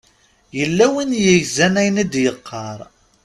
Yella win yegzan ayen d-yeqqar.